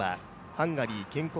ハンガリー建国